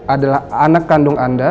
adalah anak kandung anda